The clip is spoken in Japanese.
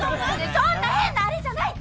そんな変なあれじゃないって！